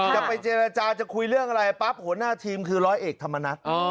จะไปเจรจาจะคุยเรื่องอะไรปั๊บหัวหน้าทีมคือร้อยเอกธรรมนัฐ